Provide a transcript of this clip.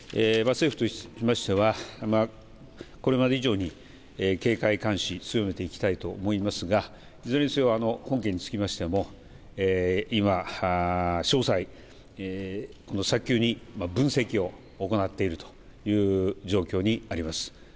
政府としましてはこれまで以上に警戒監視を強めていきたいと思いますがいずれにせよ本件につきましても今、早急に分析を行っているという状況にあります。